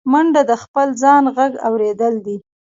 منډه د خپل ځان غږ اورېدل دي